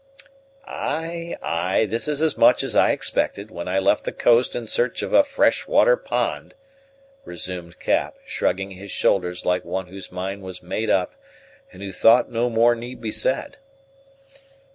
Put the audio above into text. "Ay, ay; this is much as I expected, when I left the coast in search of a fresh water pond," resumed Cap, shrugging his shoulders like one whose mind was made up, and who thought no more need be said.